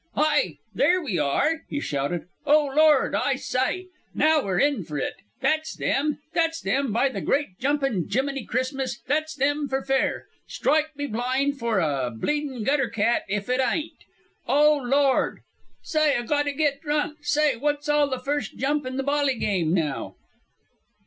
"Hi! There we are," he shouted. "O Lord! Oh, I s'y! Now we're in fer it. That's them! That's them! By the great jumpin' jimminy Christmas, that's them fer fair! Strike me blind for a bleedin' gutter cat if it eyent. O Lord! S'y, I gotta to get drunk. S'y, what all's the first jump in the bally game now?"